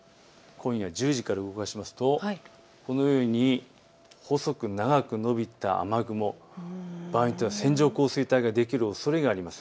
見ていきますと、このように細く長く延びた雨雲、場合によっては線状降水帯ができるおそれがあります。